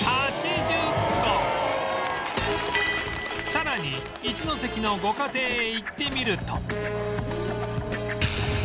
さらに一関のご家庭へ行ってみると